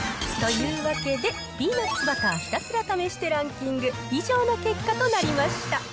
というわけで、ピーナッツバターひたすら試してランキング、以上の結果となりました。